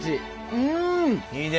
うん！